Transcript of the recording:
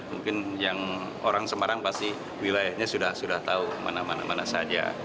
mungkin yang orang semarang pasti wilayahnya sudah tahu mana mana mana saja